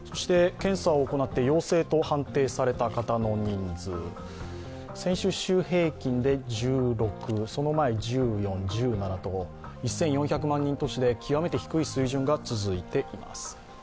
検査を行って陽性と判定された方の人数、先週、週平均で１６、その前、１４、１７と１４００万人都市で極めて低い数字が続いています。